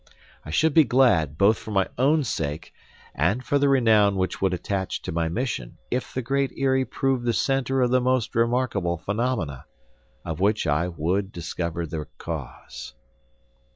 I should be glad, both for my own sake, and for the renown which would attach to my mission if the Great Eyrie proved the center of the most remarkable phenomena—of which I would discover the cause.